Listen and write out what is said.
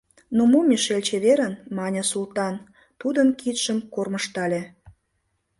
— Ну мо, Мишель, чеверын! — мане Султан, тудын кидшым кормыжтале.